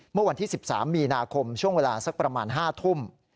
เมื่อวันที่๑๓มีนาคมช่วงเวลาสักประมาณ๕ทุ่ม